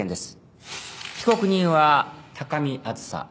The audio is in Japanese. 被告人は高見梓。